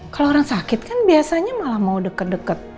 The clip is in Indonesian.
kalau orang sakit kan biasanya malah mau deket deket